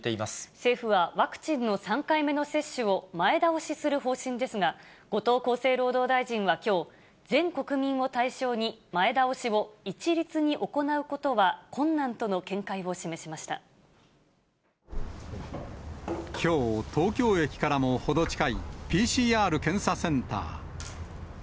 政府はワクチンの３回目の接種を前倒しする方針ですが、後藤厚生労働大臣はきょう、全国民を対象に前倒しを一律に行うことは困難との見解を示しましきょう、東京駅からも程近い、ＰＣＲ検査センター。